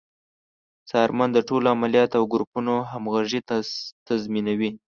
څارمن د ټولو عملیاتو او ګروپونو همغږي تضمینوي.